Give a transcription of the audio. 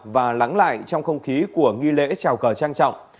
và lắng lại trong không khí của nghi lễ trào cờ trang trọng